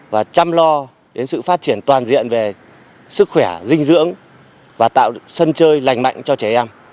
và chăm lo đến sự phát triển toàn diện về sức khỏe dinh dưỡng và tạo sân chơi lành mạnh cho trẻ em